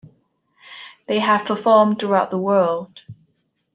They have performed throughout the world.